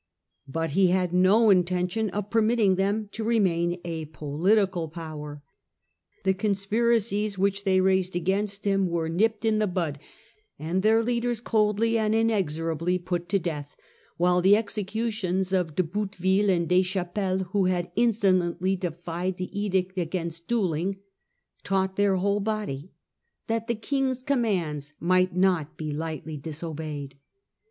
But he had no intention of permitting them to remain a political power. The conspiracies which they raised against him were crushed or nipped in the bud, and their leaders coldly and inexorably put to death, while the executions of De Boutteville and Des Chapelles, who had insolently defied the edict against duelling, taught their whole body that the King's commands might not be lightly disobeyed.